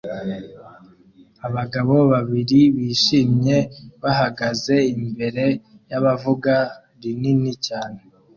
Abagabo babiri bishimye bahagaze imbere y'abavuga rinini cyane